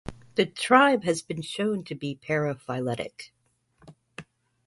The tribe has been shown to be paraphyletic.